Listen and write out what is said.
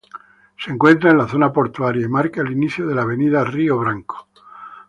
Se encuentra la Zona Portuaria y marca el inicio de la avenida Rio Branco.